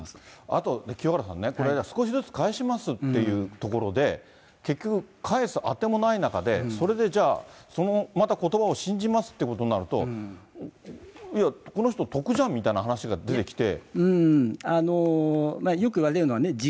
あと、清原さんね、これ、少しずつ返しますっていうところで、結局、返すあてもない中で、それでじゃあ、そのまたことばを信じますっていうことになると、いや、この人得じゃんみたいな話が出てきて。